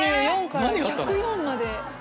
３４から１０４まで。